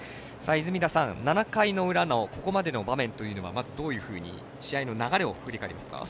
泉田さん、７回の裏のここまでの場面というのはまず、どういうふうに試合の流れを振り返りますか？